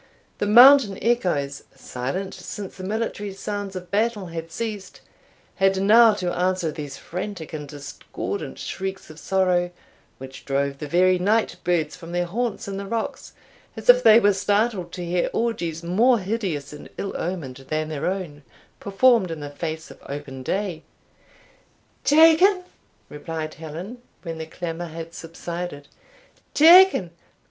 The mountain echoes, silent since the military sounds of battle had ceased, had now to answer these frantic and discordant shrieks of sorrow, which drove the very night birds from their haunts in the rocks, as if they were startled to hear orgies more hideous and ill omened than their own, performed in the face of open day. "Taken!" repeated Helen, when the clamour had subsided "Taken!